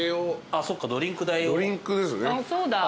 あっそうだ。